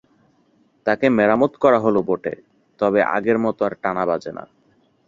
তাকে মেরামত করা হলো বটে, তবে আগের মতো আর টানা বাজে না।